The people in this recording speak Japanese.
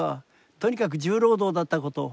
とにかく重労働だったこと。